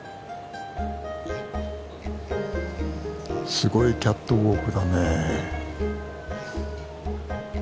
すごいキャットウォークだね。